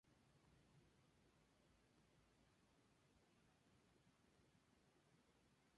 Pero a diferencia de Sandino, ""Cabuya"" carecía de un proyecto político.